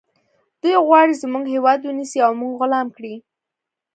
دوی غواړي زموږ هیواد ونیسي او موږ غلام کړي